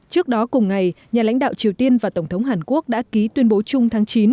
trước đó cùng ngày nhà lãnh đạo triều tiên và tổng thống hàn quốc đã ký tuyên bố chung tháng chín